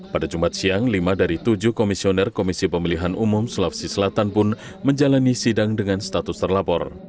pada jumat siang lima dari tujuh komisioner komisi pemilihan umum sulawesi selatan pun menjalani sidang dengan status terlapor